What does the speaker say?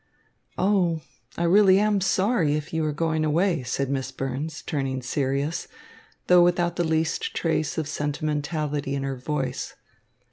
"Oh, I really am sorry if you are going away," said Miss Burns, turning serious, though without the least trace of sentimentality in her voice.